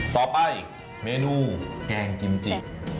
ต่อไปเมนูแกงกิมจิ